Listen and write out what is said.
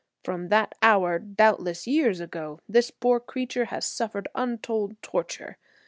From that hour, doubtless years ago, this poor creature has suffered untold torture.